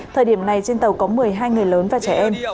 thời điểm này trên tàu có một mươi hai người lớn và trẻ em